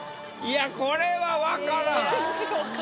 いやこれはわからん。